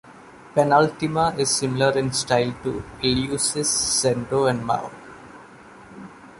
Penultima is similar in style to Eleusis, Zendo and Mao.